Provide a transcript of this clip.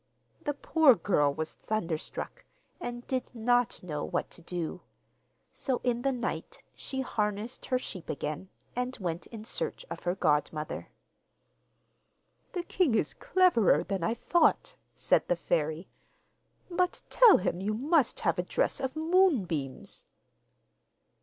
The poor girl was thunderstruck, and did not know what to do; so in the night she harnessed her sheep again, and went in search of her godmother. 'The king is cleverer than I thought,' said the fairy; 'but tell him you must have a dress of moonbeams.